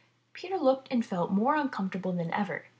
Peter looked and felt more uncomfortable than ever.